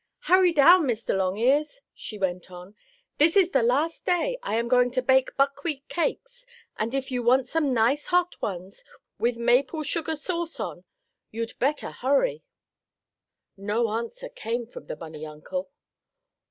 "Hurry down, Mr. Longears," she went on. "This is the last day I am going to bake buckwheat cakes, and if you want some nice hot ones, with maple sugar sauce on, you'd better hurry." No answer came from the bunny uncle.